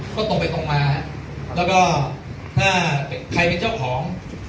ก็ตรงไปตรงมาแล้วก็ถ้าใครเป็นเจ้าของ